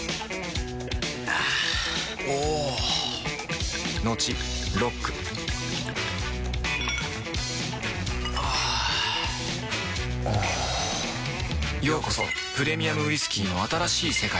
あぁおぉトクトクあぁおぉようこそプレミアムウイスキーの新しい世界へ